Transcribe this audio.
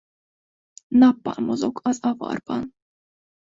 Nappal mozog az avarban.